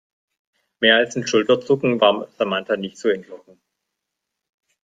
Mehr als ein Schulterzucken war Samantha nicht zu entlocken.